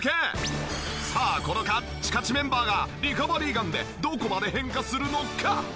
さあこのカッチカチメンバーがリカバリーガンでどこまで変化するのか？